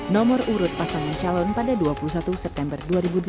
nomor urut pasangan calon pada dua puluh satu september dua ribu delapan belas